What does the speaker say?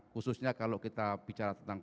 khususnya kalau kita bicara tentang